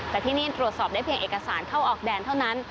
แต่ที่นี่ตรวจสอบได้เพียงเอกสารเข้าออกแดนเท่านั้น